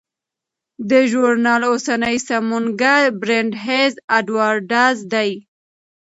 د ژورنال اوسنی سمونګر برینټ هیز اډوارډز دی.